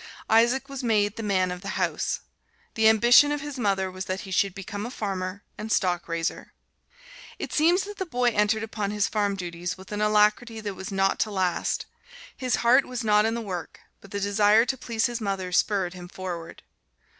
Isaac was made the man of the house. The ambition of his mother was that he should become a farmer and stock raiser. It seems that the boy entered upon his farm duties with an alacrity that was not to last. His heart was not in the work, but the desire to please his mother spurred him forward.